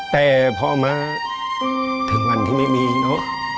แต่พอมาถึงวันที่ไม่มีเนอะ